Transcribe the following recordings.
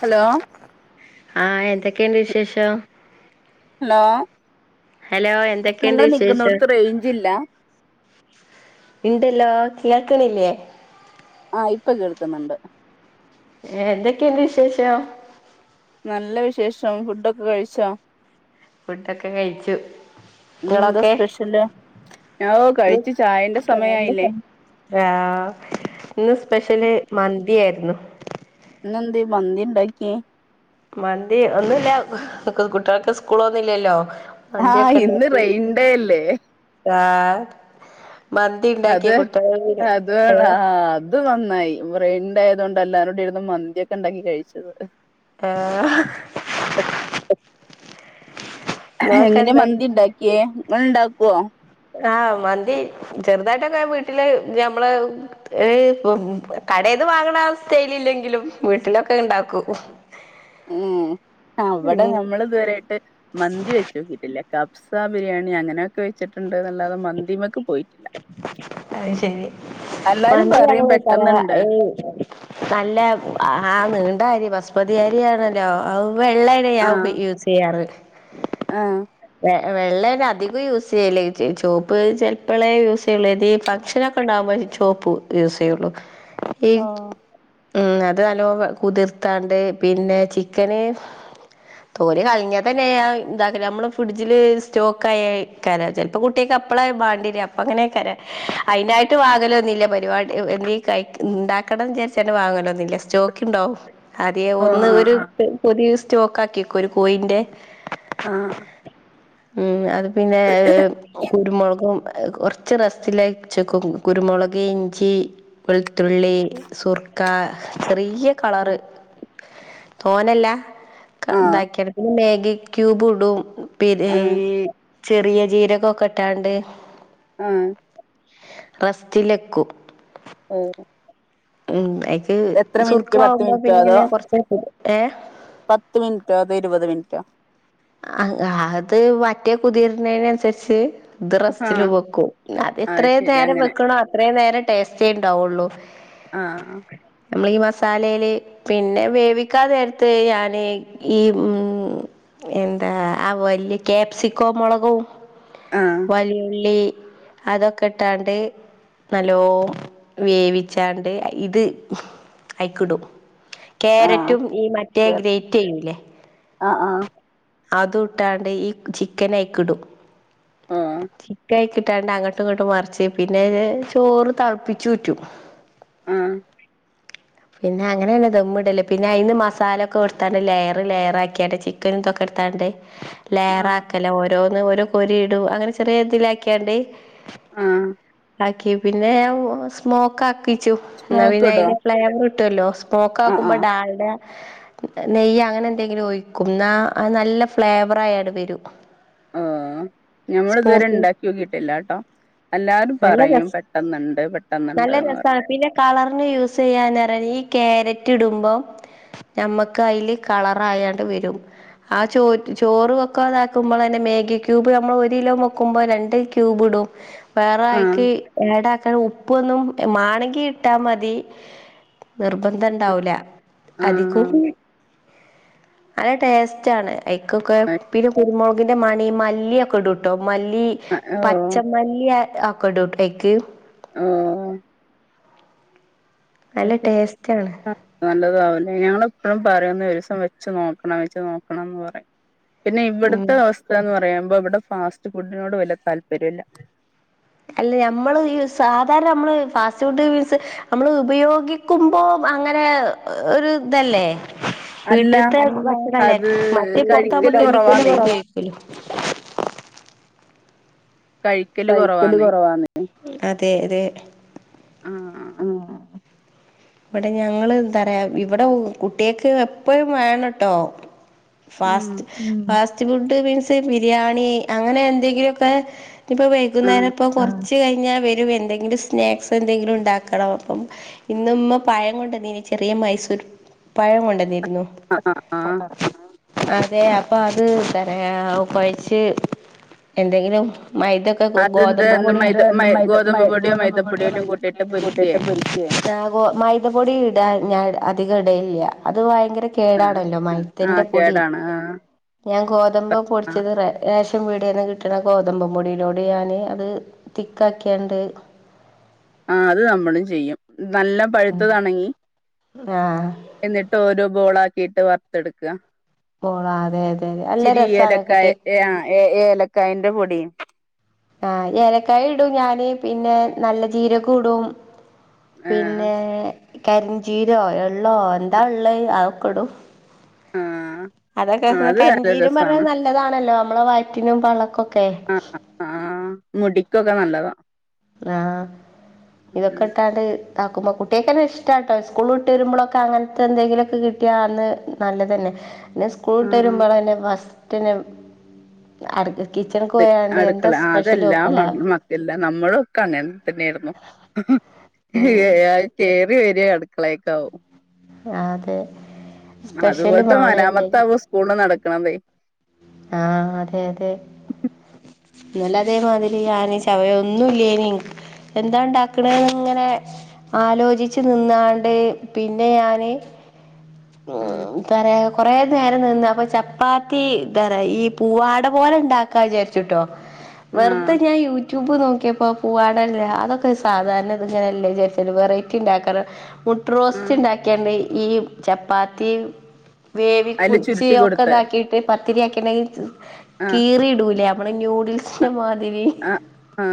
Hello ആഹ് എന്തെക്കേണ്ട് വിശേഷം ഹലോ ഹലോ എന്തൊക്കെയുണ്ട് നിങ്ങള് നിക്കുന്നോട്ത്ത് റേഞ്ച്ല്ലാ ണ്ടല്ലോ കേൾക്ക്ണില്ലേ ആഹ് ഇപ്പൊ കേൾക്ക്ന്ന്ണ്ട് ഏഹ് എന്തെക്കെയ്ണ്ട് വിശേഷം നല്ല വിശേഷം ഫുഡൊക്കെ കഴിച്ചോ ഫുഡൊക്കെ കഴ്ച്ചു ഇന്ന്ന്താ സ്പെഷ്യല് ഓഹ് ഇന്ന് കഴിച്ച് ചായെന്റെ സമയായ്ല്ലേ ആഹ് ഇന്ന് സ്പെഷ്യല് മന്തിയാര്ന്നു ഇന്നെന്തെ മന്തിണ്ടാക്ക്യെ മന്തി ഒന്നുല്ല ക് കുട്ട്യൾക്ക് സ്കൂളൊന്നുലെല്ലൊ ആഹ് ഇന്ന് റെയ്ൻഡേല്ലെ ആഹ് മന്ത് അതെ അതുവാണ് ആഹ് അത് നന്നായി വ്രയ്ൻഡേയ് ആയതോണ്ട് എല്ലാരൂടിര്ന്ന് മന്തിയ്‌ക്കെണ്ടാക്കി കഴിച്ചത് ആഹ് എഹ്ഹ് നിങ്ങളൊക്കെ എങ്ങനെയാ എന്താ മന്തിണ്ടാക്യേ ങ്ങള്ണ്ടാക്ക്വൊ ആഹ് മന്തി ചെറുതായ്ട്ടൊക്കെ വീട്ടില് ഞമ്മ്ള് ഏഹ് പ്പ്മ്മ് കടേന്ന് വാങ്ങണ സ്റ്റൈലില്ലെങ്കിലും വീട്ടിലക്കെണ്ടാക്കും ഉം അവ്ടെ ഉം ഞമ്മള് ഇത്വരായ്ട്ട് മന്തി വെച്ച് വെച്ചൊക്കിട്ട്ല്ല കബ്സ്സ ബിര്യാണി അങ്ങനെയൊക്കെ വെച്ചിട്ട്ണ്ട്ന്നല്ലാതെ മന്തിമക്ക് പോയിട്ട്ല്ല അയ്ശെരി എല്ലാരും മന്തിങ്ങനെ പറയും പല പെട്ടെന്നുണ്ട് ഏഹ് ന്താരി നല്ല ആഹ് നീണ്ടരി വസ്‌മതിയരിയാണല്ലോ അവെള്ള [unintelligible] യൂസെയ്യാറ്. ആഹ്. വെ വെള്ളെന്നെ അധികും യൂസെയ്യല്ലേച്ചീ ചോപ്പ് ചെൽപ്പളേ യൂസെയ്യെള്ളൂ ഏതേ ഈ ഫഗ്ഷനൊ ണ്ടാകുമ്പോ ചോപ്പു യൂസെയ്യുള്ളു. ആഹ്. ഉം. അത് അല്ലോ കുതിർത്താണ്ട് പിന്നെ ചിക്കന് ഓര് കള്ഞ്ഞതന്നെയ ന്താക്കല്ല അമ്മള് ഫിഡ്ജില് സ്റ്റോക്കായക്കാര ചെൽപ്പോ. പ്പൊ കുട്ട്യേക്ക് അപ്പള വാണ്ടിര അപ്പൊ അങ്ങനെക്കാരം അയിനായ്ട്ട് വാങ്ങലൊന്നില്ല്യ. പരിവാടി [unintelligible] കഴി ണ്ടാക്കണം ചാര്ച്ചാണ്ട് വാങ്ങലോന്നുല്ല്യ. സ്റ്റോക്ക് ഉണ്ടാവും ആദ്യേ ഓ ഒന്ന് ആ ഒരു ആ പുതിയ സ്റ്റോക്കാക്ക്യക്കും ഒരു കോയിന്റെ ആഹ്. ഉം. അത് പിന്നെ കുരുമൊൾകും കൊർ ച്ച് റെസ്റ്റിലെച്ചേക്കും കുരുമുളക്, ഇഞ്ചി, വെൾത്തുള്ളി സുർക്ക ചെറിയ്യ കളറ് തോനല്ല ക ആ ആ താക്യാണ്ട് പിന്നെ മേഗി ക്യൂബ് ഇടും പിന്ന ഈ ചെറിയ ജീരകൊക്കെട്ടാണ്ട് ആഹ്. റസ്റ്റിലെക്കും. [unintelligible] ഉം. അയ്ക്ക് എത്ര മിനിറ്റ് പത്ത് സുർക്കാവുമ്പോ മിനിറ്റോ അതോ പിന്നെന്നെ കൊർച്ച് [unintelligible] ഏഹ്. പത്ത് മിൻറ്റോ അതോ ഇരുപത് മിൻറ്റോ? ആഹ് ഹാത് വറ്റേ കുതിര്ന്നേനൻസര്ച്ച് ദ് ആ റെസ്റ്റില് വെക്കും. അത് എത്രേ ശരി നേരം അങ്ങനെ വെക്ക്ണോ അത്രേ നേരം ടേസ്റ്റേണ്ടാവൊള്ളൂ. [unintelligible] ആഹ് ആ അമ്മള് ഈ മസാലേല് പിന്നെ വേവിക്കാ നേര്ത്ത് ഞാന് ഈ ഉം എന്താ ആ വല്യ കാപ്സിക്കോ മൊളകും ആ വലിയുള്ളീ അതൊക്കെട്ടാണ്ട് നല്ലോം വേവിച്ചാണ്ട് എ ഇത് അയിക്ക്ടും. ആ കേരറ്റും ഈ മറ്റേ ഗ്രേറ്റെയ്യൂലേ ആഹ്, ആഹ്. അതൂട്ടാണ്ട് ഈ ചിക്കനയ്ക്ക്ടും. ഓ ചിക്കയ്ക്കിട്ടാണ്ട് അങ്ങ ങ്ങട്ടുംങ്ങട്ടും മർച്ചി പിന്നെ ചോറ് തൾപ്പിച്ചൂറ്റും. ആഹ്. പിന്നെ അങ്ങനെന്നെ ദമ്മ്ടല്. പിന്നെ അയ്ന്ന് മസാലൊക്കൊട്ത്താണ്ട് ലെയറ് ലെയറാക്കിയാട്ട് ചിക്കനുംതൊക്കെട്ത്താണ്ട് ആ ലേയറാക്കല ഓരോന്ന് ഓരോ കൊരിയിടും അങ്ങനെ ചെറിയതിലാക്ക്യാണ്ട് ആഹ്. ആക്കി പിന്നേ ഞാൻ സ്മോക്കാക്കിച്ചും. സ്മോക്ക് ന്നാപിന്നെ ഇടോ അയ്ന്റെ ഫ്ലേവറ്ട്ടോല്ലോ. ആ ആ തോക്കാക്കുമ്പോ ഡാൾഡ നെയ്യ് അങ്ങനെന്തെങ്കിലും ഒയിക്കും. ന്നാ നല്ല ഫ്ലേവറായാണ്ട് വെരും. ആഹ്. ഞമ്മള്തുവരെണ്ടാക്ക്യോക്കിട്ടില്ല ട്ടോ. എല്ലാരും നല്ല പറയും രസ പെട്ടെന്ന്‌ണ്ട്, പെട്ടെന്ന്ണ്ട് ന്ന് പറ കളർന് യൂസെയ്യാനറ ഈ കേരറ്റ്ടുമ്പോ ഞമ്മക്കയില് കളറായാണ്ട് വെരും. ആ ചോ ചോറ് വെക്കാതാക്കുമ്പളന്നെ മേഗി ക്യൂബ് അമ്മ ഒരിലോ വൊക്കുമ്പോ രണ്ട് ക്യൂബ്ടും. വേറെ ആ ഐക്ക് ഏടാക്കാൻ ഉ പ്പൊന്നും എ മാണങ്കി ഇട്ടാ മതീ നിർബന്ധണ്ടാവൂല ആ അധികും നല്ല ടേസ്റ്റാണ് ഐക്കൊക്കെ ആ പിന്നെ കുരുമൊൾക്ന്റെ മണി, മല്ലിയൊക്കെടുട്ടോ മല്ലി ആ ഓ പച്ചമല്ലി ആ ആക്കടൂട്ടയ്ക്ക്. ഓ ആയ് നല്ല ശരി ടേസ്റ്റ് ആണ് ആഹ് നല്ലതാ അവനെ ഞങ്ങൾ എപ്പഴും പറയുന്ന ഒരുസം വെച്ച് നോക്കണം വെച്ച് നോക്കണംന്ന് പറയും പിന്നെ ഉം ഇവിടത്തെ അവസ്ഥ എന്ന് പറയുമ്പോ ഇവിടെ ഫാസ്റ്റ് ഫുഡിനോട് വല്യ താല്പര്യ ഇല്ല അല്ല ഞമ്മള് ഈ സാധാരണ നമ്മള് ഫാസ്റ്റ് ഫുഡ് യൂസ് നമ്മള് ഉപയോഗിക്കുമ്പോ അങ്ങനെ ഒരിതല്ലേ അല്ല വീട്ടിത്തെ ഭക്ഷണല്ല അത് മറ്റേ പുറത്താമ്പോ കഴിക്കല് കെമിക്കൽ കുറവാന്നേ കുറവായിക്കൂല്ലോ കഴിക്കല് കുറവാന്നെ അതെ അതെ ആഹ് ഇവിടെ ഞങ്ങള് എന്താറയാ ഇവിടെ കുട്ടികക്ക് എപ്പഴും വേണട്ടോ ഉം fast fast food means biryani അങ്ങനെ എന്തെങ്കിലുക്കെ ഇനിപ്പോ വൈകുന്നേരം ആഹ് ഇപ്പോ കുറച്ച് കഴിഞ്ഞാ വരും എന്തെങ്കിലും സ്നാക്സ് എന്തെങ്കിലും ഉണ്ടാക്കണം അപ്പം ഇന്നുമ്മ പഴം കൊണ്ടന്നിന് ചെറിയ മൈസൂർ പഴം കൊണ്ടന്നിരുന്നു ആഹ് പറഞ്ഞോ അതെ അപ്പൊ അത് തെരാ കൊയച്ച് എന്തെങ്കിലും മൈദ ഗോ അതെന്ത് ഗോതമ്പ് ന്ന് പൊടി മൈദ ഇട്ട് മൈ മൈദ മൈ ഗോതമ്പ് പൊടിയോ ഗോതമ്പ് മൈദപ്പൊടിയോ പൊടിയോ എല്ലാം കൂട്ടിയിട്ട് മൈതപ്പൊടിയും പൊരിക്കേ കുട്ടിട്ട് പൊരി ക്യാ റ്റാഗോ മൈദപ്പൊടി ഇടാൻ ഞാൻ അധികം ഇടലില്ല അത് ഭയങ്കര കേടാണല്ലോ മൈത്തിന്റെ ആഹ് പൊടി കേടാണ് ആഹ് ഞാൻ ഗോതമ്പ് ആഹ് പൊടിച്ചത് റേ റേഷൻ പിടികെന്നു കിട്ടണ ഗോത ഗോതമ്പപൊടിയിലൊടെ ഞാന് അത് തിക്കക്കിയണ്ട് ആ അത് നമ്മളും ചെയ്യും നല്ല പഴുത്തതാണെങ്കി ആഹ് എന്നിട്ടോരോ ബോളാക്കിയിട്ട് വറുത്തെടുക്കുക ബോളാ അതെ അതെ അതെ നല്ല ഇച്ചിരി രസണ് ഏലക്കായ കുട്ടിയെ ആഹ് ഏ ഏലക്കായിന്റെ പൊടിയും ആഹ് ഏലക്കായ ഇടും ഞാന് പിന്നെ നല്ല ജീരകോ ഇടും ആഹ് പിന്നെ കരിഞ്ചീരകോ എള്ളോ എന്താ ഉള്ളെ അതൊക്കെ ഇടും ആഹ് അതൊക്കെ ആഹ് പറഞ്ഞ അത് നല്ല കരിഞ്ചീരം രസാണ് പറഞ്ഞത് നല്ലതാണല്ലോ നമ്മളെ വയറ്റിനും പള്ളക്കൊക്കെ ആഹ് ആഹ് മുടിക്കൊക്കെ നല്ലതാ ആ ഇതൊക്കെ ഉം ഇട്ടാണ്ട് ടാക്കുമ്പ കുട്ടിയക്കെന്നെ ഇഷ്ടാട്ടോ ഈസ്കൂള് വിട്ട് വരുമ്പോളൊക്കെ അങ്ങനത്തെ എന്തെങ്കിലൊക്കെ കിട്ടിയാന്ന് നല്ലതന്നെ പിന്നെ സ്കൂളിട്ട് ആഹ് വരുമ്പോളെന്നെ ഫസ്റ്റന് അട് കിച്ചണക്ക് പോയാണ്ട് എന്താ സ്പെഷ്യലും ഒക്കെലാ എല്ല നമ്മളൊക്കെ അങ്ങ തന്നെയരുന്നു ഏ അതൊക്കെ കേറി വരുവാ അടുക്കളേക്കാവും അതെ സ്പെഷ്യലും അതുപോലത്തെ ആണ് എന്തെങ്കിലും മരാമത്താവും സ്കൂള് നടക്കണതേ ആ അതെ അതെ ഇന്നല്ലാതെമാതിരി ഞാന് ചവയൊന്നും ഇല്ലേനി എന്താണ്ടക്കണ് ഇങ്ങനെ ആലോചിച്ചു നിന്നാണ്ട് പിന്നെ ഞാന് ഉം പറയാ കൊറെ നേരം നിന്ന അപ്പോ ചപ്പാത്തി. എന്ത പറ ഈ പൂവാട പോലെ ഉണ്ടാക്കാ വിചാരിച്ചുട്ടോ. ആഹ് വെറുതെ ഞാൻ യൂട്യൂബ് നോക്കിയപ്പോ പുവാടആല്ല അതൊക്കെ സാധാരണ തിന്ന്ണല്ലേ വിചാരിച്ചാണ്ട് വെറൈറ്റി ഉണ്ടാക്കണം മുട്ട്റോസ്റ്റ് ആഹ് ഉണ്ടാ കണ്ട് ഈ ചപ്പാത്തി വേവി അതില് കുച്ചി ചുരുട്ടി ഒക്കെ കൊടുത്ത് ഇതാക്കിട്ട്. പത്തിരിയാക്കിണ്ടെ ആഹ് കീറി ഇടൂലേ നമ്മള് ന്യുഡിൽസിന്റെ മാതിരി ആഹ് ആഹ്.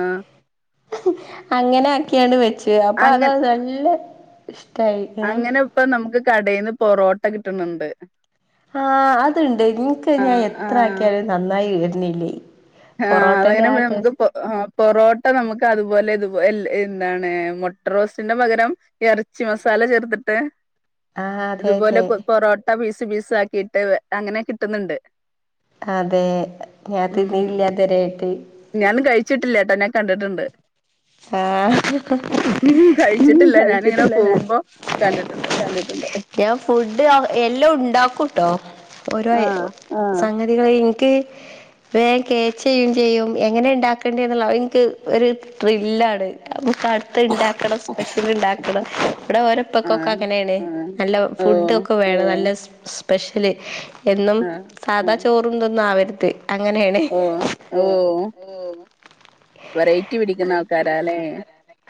അങ്ങനെ ആക്കിയണ്ട് വെച്ച് അപ്പോ അത അങ്ങ നല്ല ഇഷ്ടായി. ഉം അങ്ങനെ ഇപ്പോ നമുക്ക് കടേന്ന് പൊറോട്ട കിട്ടുന്നുണ്ട്. ആ അതുണ്ട് ഇൻക്ക് ഞാൻ എത്ര ആഹ് ആക്കിയാലും അത് നന്നായി വരുന്നില്ലേ. ആഹ് പൊറോട്ടന്റെ ആ അതങ്ങനെപ്പൊ ഞമ്മക്ക് ടേസ്റ്റ് പൊ ആ പൊറോട്ട നമ്മക്ക് അതുപോലെ ഇതു പോലെ എൽ എന്താണ് മൊട്ടറോസ്റ്റിന്റെ പകരം എറച്ചി മസാല ചേർത്തിട്ട് ആഹ് അതെ ഇതുപോലെ അതെ പൊറോ മുട്ട പീസ് പീസ് ആക്കീട്ട് അങ്ങനെ കിട്ട്ന്ന്ണ്ട്. അതെ, ഞാൻ തിന്നീല്ല ഇതെരെയിട്ട്. ഞാനും കഴിച്ചിട്ടില്ലേട്ടാ ഞാൻ കണ്ട്ട്ട്ണ്ട്. ഏഹ് കഴിച്ചിട്ടില്ല ഞാനിങ്ങനെ കഴിച്ചിട്ടില്ല ഞാൻ പോകുമ്പോ കണ്ടിട്ടുണ്ട് കണ്ട് ക്ക്യ ഞാൻ ഫുഡ് എല്ലോം ഉണ്ടാക്കുട്ടോ ഓരോ ഐ ആഹ് സംഗതികളെ എനിക്ക് വേം കേച്ച് ചെയ്യും ചെയ്യും, എങ്ങനെ ഇണ്ടാകണ്ടിയെ എന്നുള്ള അത് ഇൻക്ക് ഒര് ത്രില്ലാണ്. അപ്പൊക്ക് അട്ത്തത് ഇണ്ടാക്കണം സ്പെഷ്യല് ഇണ്ടാക്കണം, ഇവിടെ ഓരോ ഉപ്പക്കൊക്കെ ആഹ് അങ്ങനേണ് നല്ല ഓ ഫുഡ് ഒക്കെ വേണം, നല്ല സ് സ്പെഷ്യല് എന്നും ആഹ് സാധാ ചോറും ഇതൊന്നും ആവര്ത് അങ്ങനേണ്. ഓ ഓ വെറൈറ്റി പിടിക്കുന്ന ആൾക്കാരല്ലേ.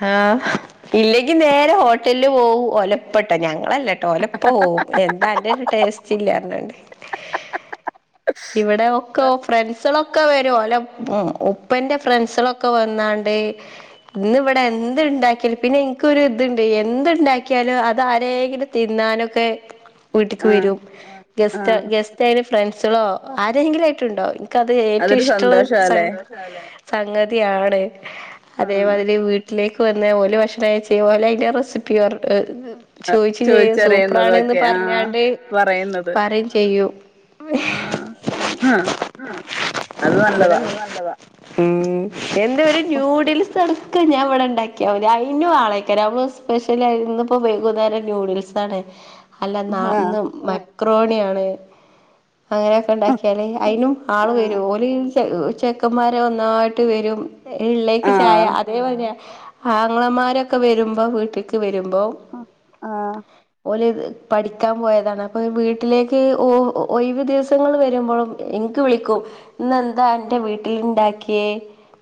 ആഹ് ഇല്ലെങ്കി നേരെ ഹോട്ടല് പോകും ഓലെ പ്പട്ട ഞങ്ങളല്ലട്ടോ ഓലപ്പ പോവും, എന്താ അന്റെ ഒരു ടേസ്റ്റ് ഇല്ലാ പറഞ്ഞാണ്ട്. ഇവിടെ ഒക്കെ ഫ്രണ്ട്സളൊ ഒക്കെ വരും ഓലെ ഉപ്പന്റെ ഫ്രണ്ട്സുകളൊക്കെ വന്നാണ്ട് ഇന്ന് ഇവിടെ എന്ത് ഇണ്ടാക്കിയാലും പിന്നെ ഇൻക്കൊരു ഇത്ണ്ട് എന്ത് ഇണ്ടാക്കിയാലും അത് ആരേങ്കിലും തിന്നാനൊക്കെ വീട്ട്ക്ക് ആഹ് വെരും ഗസ്റ്റ് ആഹ് ഗസ്റ്റ് അതിന്റെ ഫ്രണ്ട്സെളോ ആരെങ്കിലായിട്ട്ണ്ടാക്കും. ഇക്ക് അത് ഏറ്റൊ അതൊരു ഇഷ്ടൊള്ള ഒരു സംഗ സന്തോഷാല്ലേ സംഗതിയാണ് ആഹ് അതേമാതിരി വീട്ടിലെക്ക് ക്ക് വന്ന ഓല് ഭക്ഷണം കഴിച്ച് ഓല് അയിന്റെ റെസിപ്പി പറ ചോയിച്ചും ചെയ്യും സൂപ്പറാണ്ന്ന് ചോദിച്ചറിയുന്നതൊക്കെ ആ പറഞ്ഞാണ്ട് പറയുന്നത് പറിം ചെയ്യും. ആഹ് അത് നല്ലതാ. ഇവിടെ നല്ലതാ ഉം എന്ത ഒര്. ന്യൂഡിൽസ് അടക്കം ഞാൻ ഇവിടെണ്ടാക്കിയാ മതി അയിനും ആളെയ്ക്കാരം അപ്പോ സ്പെഷ്യലായി ഇന്ന് ഇപ്പോ വൈകുന്നേരം ന്യൂഡിൽസ് ആണ്. അല്ല നാ ആ ഇന്ന് മക്രോണി ആണ്. അങ്ങനെയൊക്കെ ഇണ്ടാക്കിയാല് അയിനും ആ ആള് വരും ഓല് ചെ ചെക്കന്മാര് ഒന്നായിട്ട് വെരും, ഇള്ളേക്ക് ആ ചായ അതേപോലെയ ആങ്ങളമാരൊക്കെ വരുമ്പോ വീട്ടിക്ക് വരുമ്പോ ആ ആഹ് ഓല് പഠിക്കാൻ പോയതാണ്, അപ്പോ വീട്ടിലേക്ക് ഒഴിവ് ദിവസങ്ങൾ വരുമ്പഴും ഇൻക്ക് വിളിക്കും ഇന്ന് എന്താ അന്റെ വീട്ടില്ണ്ടാക്കിയേ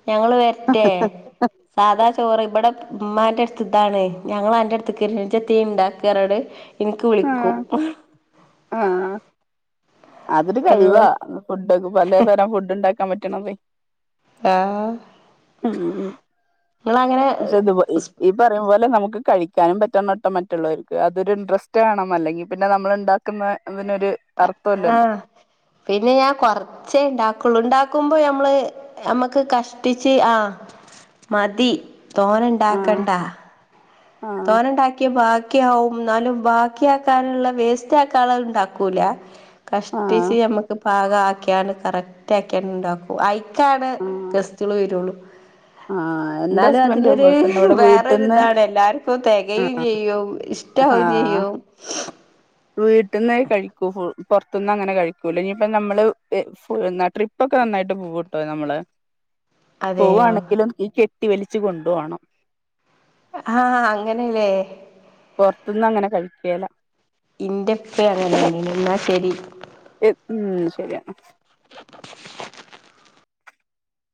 ഞങ്ങള് വര്റ്റെ? സാധാ ചോറ് ഇബടെ ഇമ്മാന്റെ എട്ത്ത് ഇതാണ് ഞങ്ങൾ അന്റെ അടുത്തക്ക് വര്ന്ണ്ട് ഇജ്ജ് എത്തേ ഇണ്ടാക്ക് പറഞ്ഞാണ്ട്. ഇൻക്ക് വിളിക്കും. ആഹ് അതൊരു കഴിവാ അതുപോലെ ഫുഡ്ഡോക്കെ പലേതരം ഫുഡ്ഡ് ണ്ടാക്കാൻ പറ്റ്ണ്തേ ആഹ് ഉം നിങ്ങളങ്ങനെ പഷേ ദുബായി ഈ പറീം പോലെ നമുക്ക് കഴിക്കാനും പറ്റണട്ടോ മറ്റുള്ളോര്ക്ക് അതൊരു സ്സ്റ്റ് വാണം അല്ലെങ്കി പിന്നെ നമ്മള് ണ്ടാക്കുന്ന തി നൊരു ആഹ് പിന്നെ ഞാൻ കൊർച്ചേ ഇണ്ടാക്കൊള്ളൂ. ഇണ്ടാക്കുമ്പോ ഞമ്മള് അമ്മക്ക് കഷ്ടിച്ച് ആഹ് മതി തോനെ ആ ഇണ്ടാക്കണ്ട ആ തോനണ്ടാക്ക്യാ ഭാ ക്ക്യാവും ഇന്നാലും ബാക്ക്യാക്കാന്ള്ള വേസ്റ്റാക്കാള്ളത് ഇണ്ടാക്കൂല. ആ കഷ്ടിച്ച് ഞമ്മക്ക് പാകാക്ക്യാണ്ട് കറക്റ്റാക്ക്യാണ്ട് ണ്ടാക്കും ഐക്കാണ് ആ ഗസ്റ്റാള് വരള്ളു ആ എന്റെ ന്നാലും ഹസ്ബൻഡ് അതിനൊര് അതുപോലെ തന്നെ ഇവിടെ വേറൊരു വീട്ടിൽന്ന് താണ് എല്ലാരും പ്പെ ആ തെകയും ചെയ്യും ഇഷട്ടാവും ചെയ്യും വീട്ട്ന്നേ കഴിക്കൂ ഫു പൊർത്ത് ന്നങ്ങനെ കഴിക്കൂല്ല ഞ്ഞിപ്പ നമ്മള് ഹെ ഫുൾ ന്നാ ട്രിപ്പൊക്കെ നന്നായിട്ട് പോവുട്ടോ നമ്മള് അതെയോ പോവാണെങ്കിലും ഈ കെട്ടി വലിച്ച് കൊണ്ട് പോണം ആഹ് അങ്ങനലേ പൊർത്ത് ന്നങ്ങനെ കഴിക്കേല ഇൻ്റപ്പേ അങ്ങൻ തന്നേണ് എന്നാ ശെരി എ ഉം ശെരി എന്നാ